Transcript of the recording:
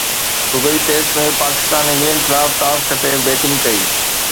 Dubai test ۾ Pakistan England خلاف toss کٽي batting ڪئي